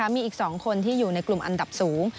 มีอีก๒คนที่อยู่ในกลุ่มอันดับสูง